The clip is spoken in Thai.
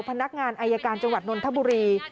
พนักงานอายการจังหวัดนนทบุรี